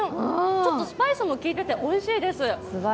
ちょっとスパイスも利いてておいしいです。